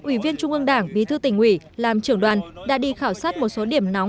ủy viên trung ương đảng bí thư tỉnh ủy làm trưởng đoàn đã đi khảo sát một số điểm nóng